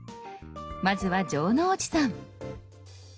まずは城之内さん。